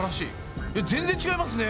全然違いますね！